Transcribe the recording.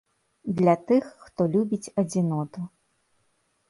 Для тых, хто любіць адзіноту.